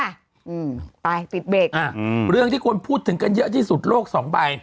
อืมไปปิดเบรกอ่าอืมเรื่องที่คนพูดถึงกันเยอะที่สุดโลกสองใบ